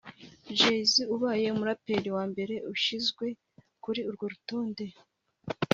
Jay Z ubaye umuraperi wa mbere ushyizwe kuri urwo rutonde